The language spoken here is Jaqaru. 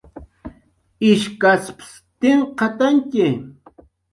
ishkaspsa tinkqhatantyi